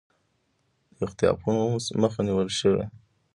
د اختطافونو مخه نیول شوې